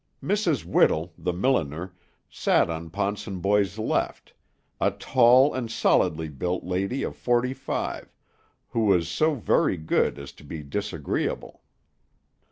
Mrs. Whittle, the milliner, sat on Ponsonboy's left; a tall and solidly built lady of forty five, who was so very good as to be disagreeable.